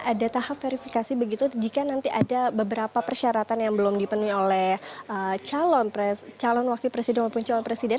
ada tahap verifikasi begitu jika nanti ada beberapa persyaratan yang belum dipenuhi oleh calon wakil presiden maupun calon presiden